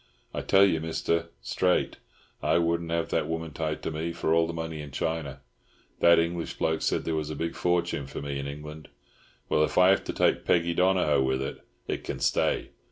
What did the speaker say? I tell you, Mister, straight, I wouldn't have that woman tied to me for all the money in China. That English bloke said there was a big fortune for me in England. Well, if I have to take Peggy Donohoe with it, it can stay.